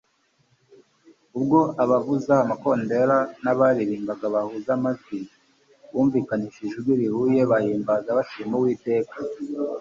ubwo abavuzaga amakondera n'abaririmbaga bahuza amajwi, bumvikanishije ijwi rihuye bahimbaza bashima uwiteka